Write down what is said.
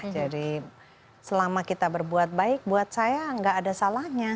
jadi selama kita berbuat baik buat saya gak ada salahnya